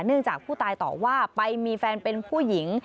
จากผู้ตายตอบว่าไปมีแฟนเป็นผู้หญิง